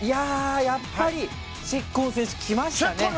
やっぱりチェッコン選手来ましたね。